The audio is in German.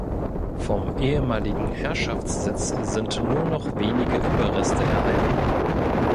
Vom ehemaligen Herrschaftssitz sind nur noch wenige Überreste erhalten.